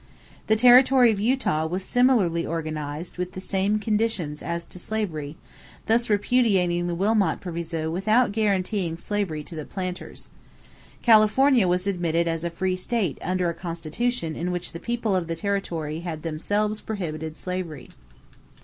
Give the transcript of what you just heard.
The Territory of Utah was similarly organized with the same conditions as to slavery, thus repudiating the Wilmot Proviso without guaranteeing slavery to the planters. California was admitted as a free state under a constitution in which the people of the territory had themselves prohibited slavery.